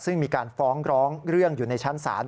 ซึ่งมีการฟ้องร้องเรื่องอยู่ในชั้นศาล